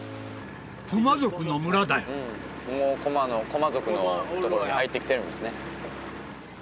うんクォマ族のところに入ってきてるんですね